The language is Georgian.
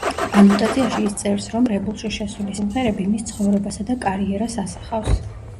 ანოტაციაში ის წერს, რომ კრებულში შესული სიმღერები მის ცხოვრებასა და კარიერას ასახავს.